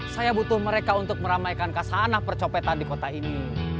saya butuh mereka untuk meramaikan kasanah percopetan di kota ini